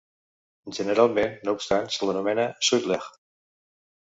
Generalment no obstant se l'anomena Sutlej.